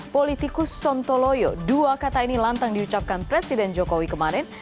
politikus sontoloyo dua kata ini lantang diucapkan presiden jokowi kemarin